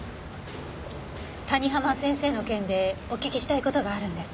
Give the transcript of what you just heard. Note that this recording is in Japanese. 谷浜先生の件でお聞きしたい事があるんです。